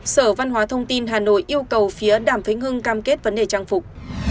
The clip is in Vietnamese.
sở văn hóa thông tin hà nội yêu cầu phía đàm thánh hưng cam kết vấn đề trang phục